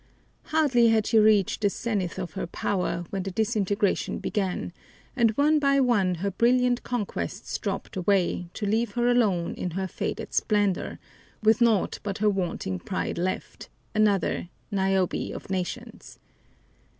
Hardly had she reached the zenith of her power when the disintegration began, and one by one her brilliant conquests dropped away, to leave her alone in her faded splendor, with naught but her vaunting pride left, another "Niobe of nations."